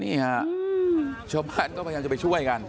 นี่ฮะชาวบ้านก็พยายามจะไปช่วยกัน